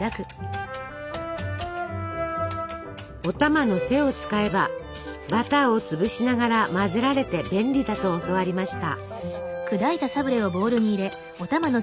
お玉の背を使えばバターを潰しながら混ぜられて便利だと教わりました。